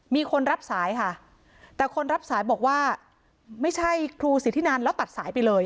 มีคนรับสายค่ะแต่คนรับสายบอกว่าไม่ใช่ครูสิทธินันแล้วตัดสายไปเลย